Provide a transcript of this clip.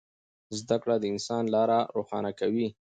زده کړه د انسان لاره روښانه کوي.